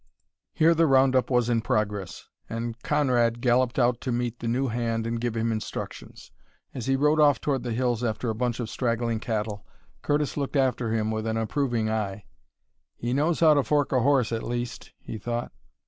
Here the round up was in progress, and Conrad galloped out to meet the new hand and give him instructions. As he rode off toward the hills after a bunch of straggling cattle Curtis looked after him with an approving eye. "He knows how to fork a horse, at least," he thought.